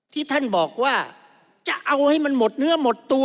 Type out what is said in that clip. ที่ท่านบอกว่าจะเอาให้มันหมดเนื้อหมดตัว